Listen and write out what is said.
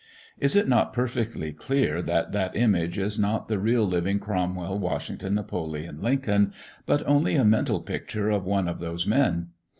Is it not perfectly clear that that image is not the real living Cromwell, Washington, Napoleon, Lincoln, but only a mental picture of one of those men?